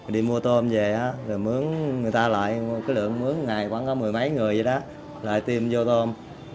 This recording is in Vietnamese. đi mua tôm về rồi mướn người ta lại cái lượng mướn ngày khoảng mười mấy người vậy đó lại tiêm vô tôm